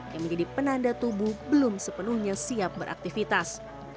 yang menjadi penanda tubuh belum sepenuhnya siap beraktivitas